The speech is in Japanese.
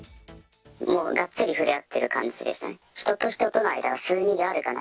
もうがっつり触れ合ってる感じでしたね。